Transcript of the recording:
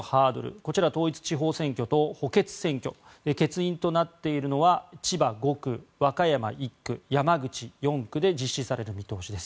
こちらは統一地方選挙と補欠選挙欠員となっているのは千葉５区和歌山１区、山口４区で実施される見通しです。